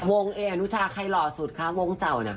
วงเอกนะคะทรีย์รอดสุดคะวงเจ้าเนี่ย